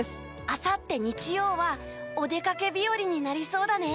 あさって日曜はお出かけ日和になりそうだね。